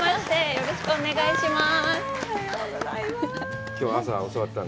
よろしくお願いします。